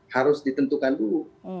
harus ditentukan dulu